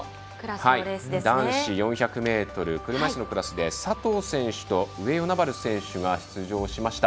男子４００ｍ車いすのクラスで佐藤選手と上与那原選手が出場しました。